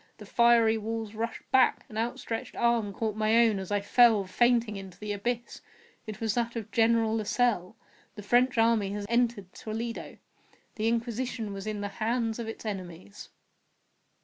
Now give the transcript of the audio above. The fiery walls rushed back! An outstretched arm caught my own as I fell, fainting, into the abyss. It was that of General Lasalle. The French army had entered Toledo. The Inquisition was in the hands of its enemies.